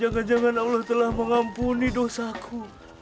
jangan jangan allah telah mengampuni dosaku